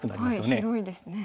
はい広いですね。